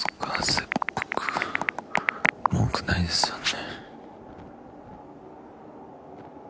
切腹文句ないですよね？